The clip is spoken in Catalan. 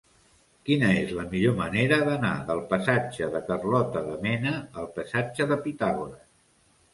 Quina és la millor manera d'anar del passatge de Carlota de Mena al passatge de Pitàgores?